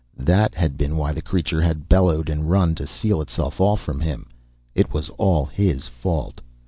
That had been why the creature had bellowed and run to seal itself off from him. It was all his fault.